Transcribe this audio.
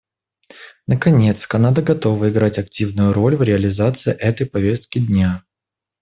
Наконец, Канада готова играть активную роль в реализации этой повестки дня.